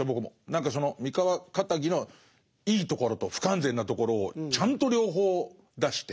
何かその三河かたぎのいいところと不完全なところをちゃんと両方出して。